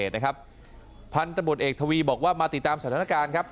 นะครับพันธุ์ตรรวจเอกทะวีว์บอกว่ามาติดตามสถานการณ์ครับ